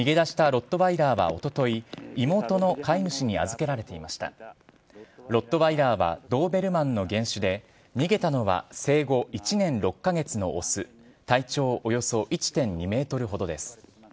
ロットワイラーはドーベルマンの原種で、逃げたのは生後１年６か月の雄、体長およそ１．２メートルほどです。